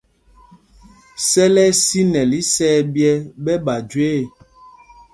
Sɛl ɛ́ ɛ́ sinɛl isɛɛ ɓyɛ́ ɓɛ ɓa jüe ɛ̂.